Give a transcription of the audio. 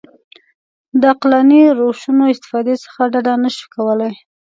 د عقلاني روشونو استفادې څخه ډډه نه شو کولای.